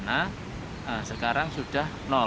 nah sekarang sudah nol